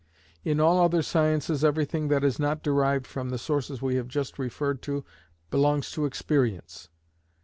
In all other sciences everything that is not derived from the sources we have just referred to belongs to experience.